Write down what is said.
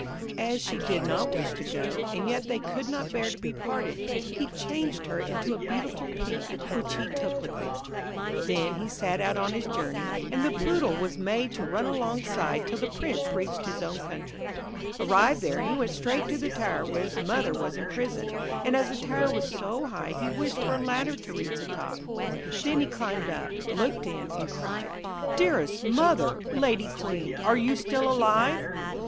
As she did not wish to go, and yet they could not bear to be parted, he changed her into a beautiful Pink, which he took with him. Then he set out on his journey, and the Poodle was made to run alongside till the Prince reached his own country. Arrived there, he went straight to the tower where his mother was imprisoned, and as the tower was so high he wished for a ladder to reach the top. Then he climbed up, looked in, and cried, 'Dearest mother, lady Queen, are you still alive?'